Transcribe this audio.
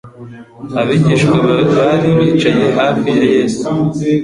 Abigishwa bari bicaye hafi ya Yesu.